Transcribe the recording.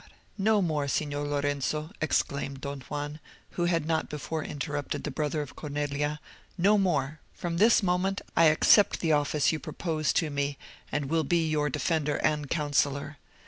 "No more, Signor Lorenzo," exclaimed Don Juan, who had not before interrupted the brother of Cornelia; "no more. From this moment I accept the office you propose to me, and will be your defender and counsellor.